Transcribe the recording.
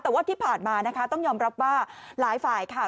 แต่ว่าที่ผ่านมานะคะต้องยอมรับว่าหลายฝ่ายค่ะ